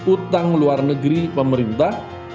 utang luar negeri pemerintah